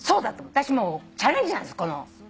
私もチャレンジなんです。